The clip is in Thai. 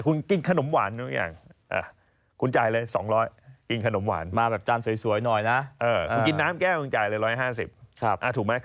เอ้อกินน้ำแก้วอันจ่ายอันหัสครับ